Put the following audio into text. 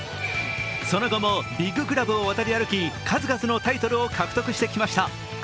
その後もビッグクラブを渡り歩き数々のタイトルを獲得してきました。